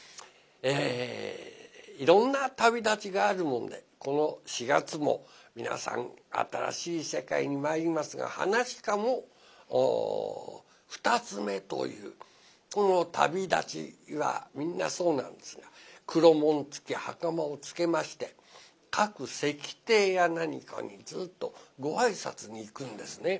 いろんな旅立ちがあるもんでこの４月も皆さん新しい世界に参りますが噺家も二ツ目というこの旅立ちはみんなそうなんですが黒紋付き袴をつけまして各席亭や何かにずっとご挨拶に行くんですね。